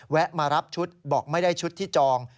มารับชุดบอกไม่ได้ชุดที่จอง